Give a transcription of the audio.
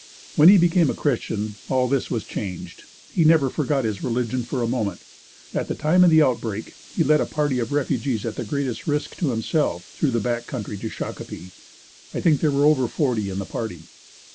When he became a Christian all this was changed. He never forgot his religion for a moment. At the time of the outbreak he led a party of refugees at the greatest risk to himself through the back country to Shakopee. I think there were over forty in the party.